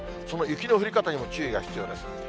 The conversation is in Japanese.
その雪の降り方にも注意が必要です。